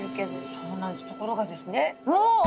そうなんですところがですねおおっ！